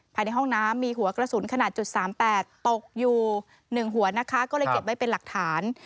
ภายในห้องน้ำมีหัวกระสุนขนาด๓๘ตกอยู่๑หัวนะคะก็เลยเก็บไว้เป็นหลักฐาน